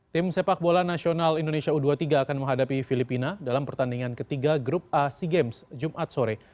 tim sepak bola nasional indonesia u dua puluh tiga akan menghadapi filipina dalam pertandingan ketiga grup a sea games jumat sore